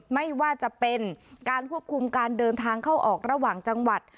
ไม่ว่าจะเป็นการควบคุมการเดินทางเข้าออกระหว่างจังหวัด